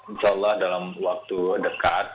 insya allah dalam waktu dekat